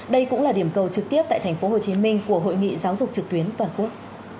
đây cũng là điểm cầu trực tiếp tại tp hcm của hội nghị giáo dục trực tuyến toàn quốc